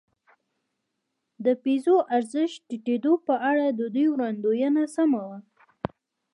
د پیزو د ارزښت ټیټېدو په اړه د دوی وړاندوېنه سمه وه.